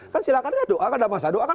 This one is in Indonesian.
kan silahkan doakan ada masa doakan